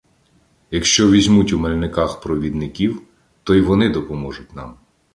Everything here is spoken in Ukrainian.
Якщо візьмуть у Мельниках провідників, то й вони допоможуть нам.